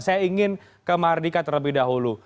saya ingin ke mardika terlebih dahulu